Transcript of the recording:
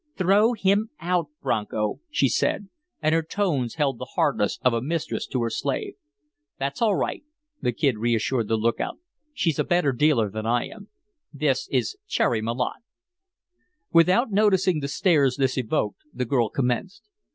"Throw him out, Bronco," she said, and her tones held the hardness of a mistress to her slave. "That's all right," the Kid reassured the lookout. "She's a better dealer than I am. This is Cherry Malotte." Without noticing the stares this evoked, the girl commenced.